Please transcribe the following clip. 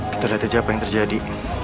kita lihat aja apa yang terjadi